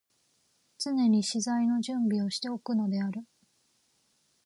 常に詩材の準備をして置くのである。